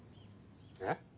えっ？